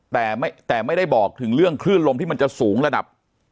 แต่ไม่ได้บอกถึงเรื่องคลื่นลมที่มันจะสูงระดับ